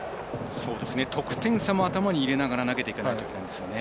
得点差も頭に入れながら投げていかなきゃいけないですもんね。